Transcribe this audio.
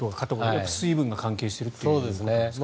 やっぱり水分が関係しているということですね。